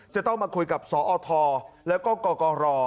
จะต้องมาคุยกับสอทแล้วก็กกร